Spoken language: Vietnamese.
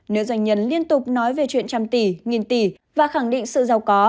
nữ doanh nhân liên tục nói về chuyện trăm tỷ nghìn tỷ và khẳng định sự giàu có